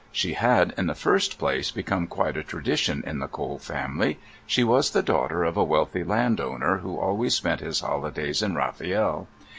She had, in the first place, become quite a tradition in the Cole family. She was the daughter of a wealthy landowner, who always spent his holidays in Rafiel.